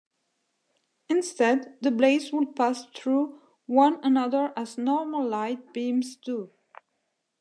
Instead, the blades would pass through one another as normal light beams do.